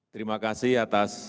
terima kasih atas